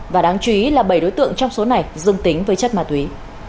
và đáng chú ý là bảy đối tượng trong số này dương tính với chất ma túy